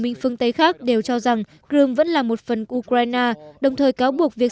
minh phương tây khác đều cho rằng crimea vẫn là một phần của ukraine đồng thời cáo buộc việc